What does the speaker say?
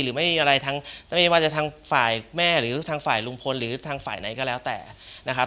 หรือไม่มีอะไรทั้งไม่ว่าจะทางฝ่ายแม่หรือทางฝ่ายลุงพลหรือทางฝ่ายไหนก็แล้วแต่นะครับ